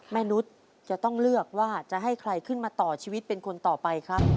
มนุษย์จะต้องเลือกว่าจะให้ใครขึ้นมาต่อชีวิตเป็นคนต่อไปครับ